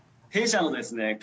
弊社のですね